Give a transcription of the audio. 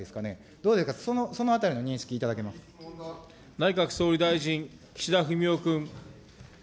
どうですか、そのあたりの認識い内閣総理大臣、岸田文雄君。